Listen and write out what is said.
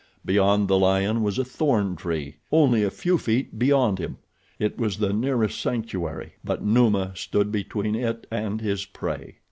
Beyond the lion was a thorn tree—only a few feet beyond him. It was the nearest sanctuary but Numa stood between it and his prey.